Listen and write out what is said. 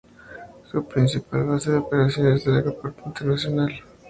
Su principal base de operaciones del Aeropuerto Internacional Soekarno-Hatta, Yakarta.